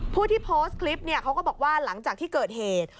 ผู้ที่โพสต์คลิปเนี่ยเขาก็บอกว่าหลังจากที่เกิดเหตุ